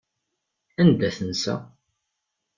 Anda tensa?